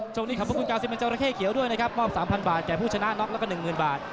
ช่วงนี้ขอบคุณกาวสิเมินเจ้าระเคเขียวด้วยนะครับมอบ๓๐๐๐บาทแก่ผู้ชนะน๊อคและก็๑สิ้นบาท